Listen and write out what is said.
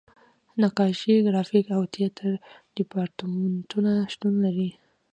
نقاشۍ، ګرافیک او تیاتر دیپارتمنټونه شتون لري.